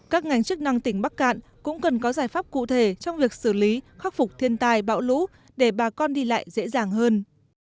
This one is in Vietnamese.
các ngành chức năng tỉnh bắc cạn cũng cần có giải pháp cụ thể trong việc xử lý khắc phục thiên tài bão lũ để bà con đi lại dễ dàng hơn